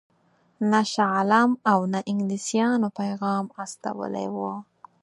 نه شاه عالم او نه انګلیسیانو پیغام استولی وو.